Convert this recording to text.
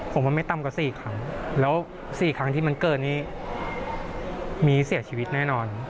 ผมว่าไม่ต่ำกว่า๔ครั้งแล้ว๔ครั้งที่มันเกิดนี้มีเสียชีวิตแน่นอน